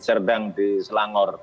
serdang di selangor